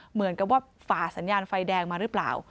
เหมือนกับว่าฝ่าสัญญาณไฟแดงมาหรือเปล่า